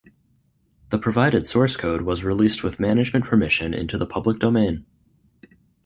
The provided source code was released with management permission into the public domain.